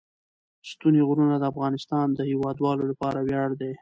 ستوني غرونه د افغانستان د هیوادوالو لپاره ویاړ دی.